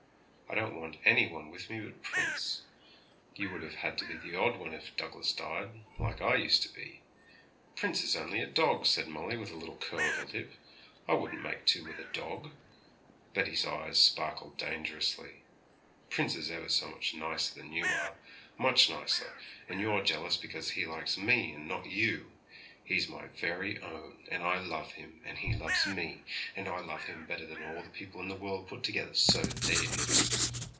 I don't want any one with me but Prince. You would have to be the odd one if Douglas died like I used to be.' 'Prince is only a dog,' said Molly, with a little curl of her lip. 'I wouldn't make two with a dog!' Betty's eyes sparkled dangerously. 'Prince is ever so much nicer than you are much nicer, and you're jealous because he likes me and not you. He's my very own, and I love him, and he loves me; and I love him better than all the people in the world put together, so there!'